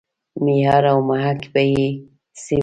معیار او محک به یې څه وي.